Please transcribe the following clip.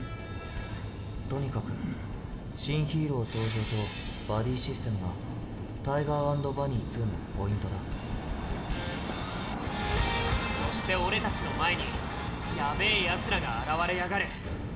とにかく「新ヒーロー登場」と「バディシステム」が「ＴＩＧＥＲ＆ＢＵＮＮＹ２」のポイントだそして俺たちの前にやべえやつらが現れやがる。